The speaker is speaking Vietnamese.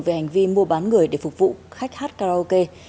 về hành vi mua bán người để phục vụ khách hát karaoke